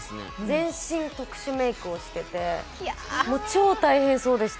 全身特殊メイクをしてて、超大変そうでした。